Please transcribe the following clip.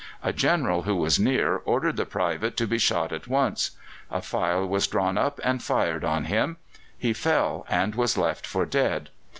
A General who was near ordered the private to be shot at once. A file was drawn up, and fired on him; he fell, and was left for dead.